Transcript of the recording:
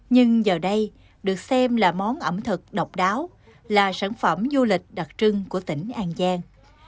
nhưng giờ đây được xem là món ẩm thực độc đáo là sản phẩm du lịch đặc trưng của tỉnh an giang